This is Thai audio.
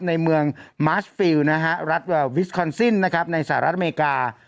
ในเมืองมาชฟิลด์รัฐวิสคอนซินในสหรัฐอเมริกา